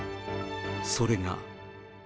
それが。